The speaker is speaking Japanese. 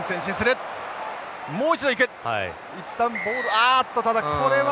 あっとただこれは？